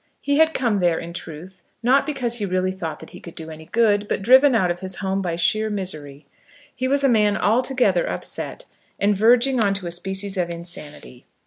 He had come there, in truth, not because he really thought he could do any good, but driven out of his home by sheer misery. He was a man altogether upset, and verging on to a species of insanity.